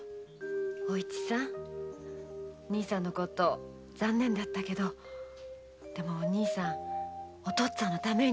おいちさん兄さんのこと残念だったけど兄さんはおとっつぁんのために命まで。